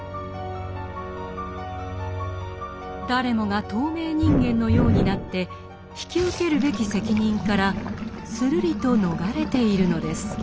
誰もが透明人間のようになって引き受けるべき責任からするりと逃れているのです。